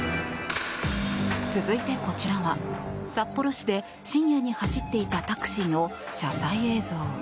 続いて、こちらは札幌市で深夜に走っていたタクシーの車載映像。